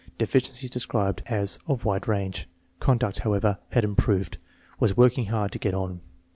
Deficiencies described as "of wide range/' Conduct, however, had improved. Was "working hard to get on."